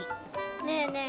ねえねえ